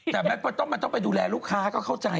แต่มันต้องไปดูแลลูกค้าก็เข้าใจ